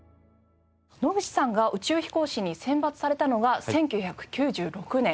野口さんが宇宙飛行士に選抜されたのが１９９６年。